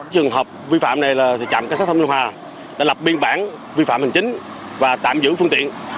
trường hợp vi phạm này là trạm cảnh sát thông ninh hòa đã lập biên bản vi phạm hành chính và tạm giữ phương tiện